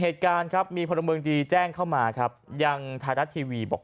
เหตุการณ์ครับมีพลเมืองดีแจ้งเข้ามาครับยังไทยรัฐทีวีบอก